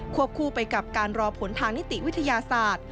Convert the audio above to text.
คู่ไปกับการรอผลทางนิติวิทยาศาสตร์